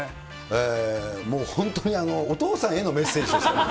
もう本当に、お父さんへのメッセージですよ。